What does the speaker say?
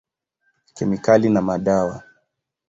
Kemikali na madawa.